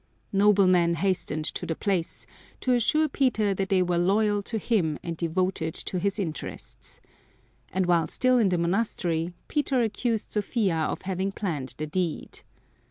Noblemen hastened to the place to assure Peter that they were loyal to him and devoted to his interests. And while still in the monastery Peter accused Sophia of having planned the deed.